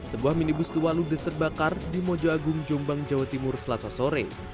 sebuah minibus tuwalu diserbakar di mojoagung jombang jawa timur selasa sore